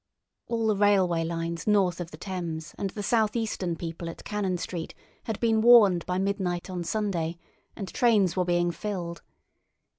All the railway lines north of the Thames and the South Eastern people at Cannon Street had been warned by midnight on Sunday, and trains were being filled.